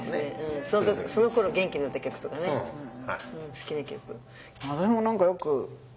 好きな曲。